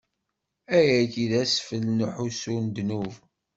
Ayagi d asfel n uḥussu n ddnub.